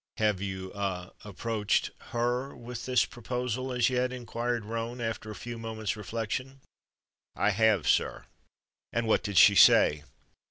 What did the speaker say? "Have you ah approached her with this proposal as yet?" inquired Roane, after a few moments' reflection. "I have, sir." "And what did she say?"